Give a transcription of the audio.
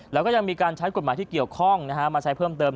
แล้วก็ยังมีการใช้กฎหมายที่เกี่ยวข้องมาใช้เพิ่มเติม